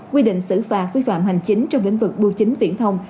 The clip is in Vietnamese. quy định xử phạt phi phạm hành chính trong lĩnh vực bưu chính phiển thông